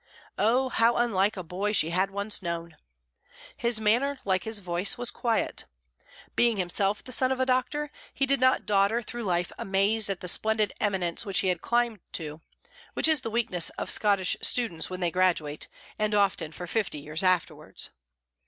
Oh, how unlike a boy she had once known! His manner, like his voice, was quiet. Being himself the son of a doctor, he did not dodder through life amazed at the splendid eminence he had climbed to, which is the weakness of Scottish students when they graduate, and often for fifty years afterwards.